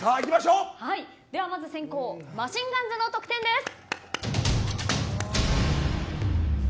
まず先攻マシンガンズの得点です。